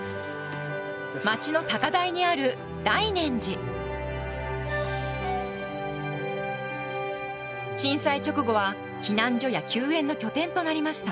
町の高台にある震災直後は避難所や救援の拠点となりました。